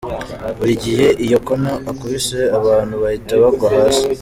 Buri gihe iyo Conor akubise abantu bahita bagwa hasi.